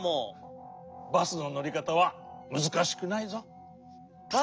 バスののりかたはむずかしくないぞ。